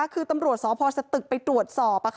คือตำรวจสพสตึกไปตรวจสอบ